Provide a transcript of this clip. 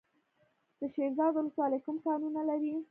د شیرزاد ولسوالۍ کوم کانونه لري؟